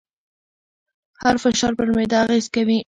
هر فشار پر معده اغېز کوي.